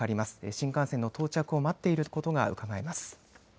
新幹線の到着を待っていることがうかがえます。